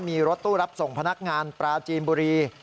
มีรถตู้รับส่งพนักงานปราจีนบุรี